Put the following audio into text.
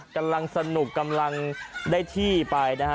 กำลังสนุกกำลังได้ที่ไปนะฮะ